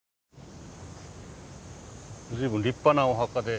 随分立派なお墓で。